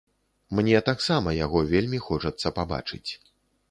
Мне таксама яго вельмі хочацца пабачыць.